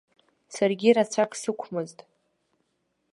Саргьы рацәак сықәмызт.